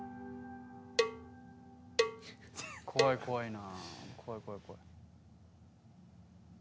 怖い怖いな。